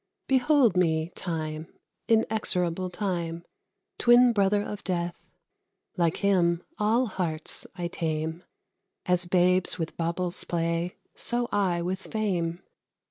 Behold me, Time, inexorable Time, Twin brother of Death. Like him all hearts I tame. As babes with baubles play, so I with fame.